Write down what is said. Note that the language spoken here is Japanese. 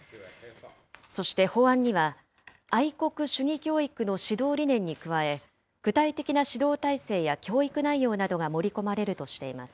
そして法案には、愛国主義教育の指導理念に加え、具体的な指導体制や教育内容などが盛り込まれるとしています。